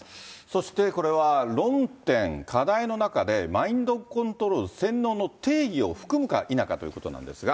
そして、これは論点、課題の中で、マインドコントロール・洗脳の定義を含むか否かということなんですが。